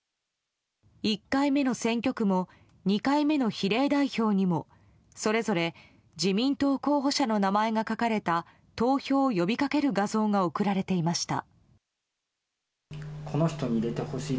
１回目の選挙区も２回目の比例代表にもそれぞれ自民党候補者の名前が書かれた投票を呼び掛ける画像が送られていました。